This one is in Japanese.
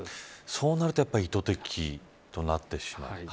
そうなると、やっぱり意図的となってしまう。